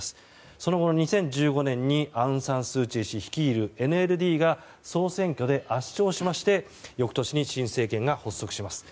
その後２０１５年にアウン・サン・スー・チー氏率いるＮＬＤが総選挙で圧勝しまして翌年に新政権が発足します。